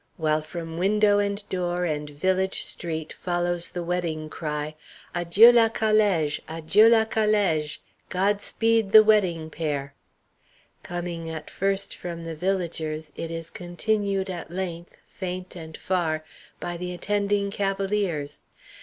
while from window and door and village street follows the wedding cry: "Adjieu, la calége! Adjieu, la calége! God speed the wedding pair!" Coming at first from the villagers, it is continued at length, faint and far, by the attending cavaliers.